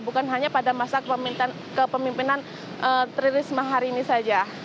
bukan hanya pada masa kepemimpinan tririsma hari ini saja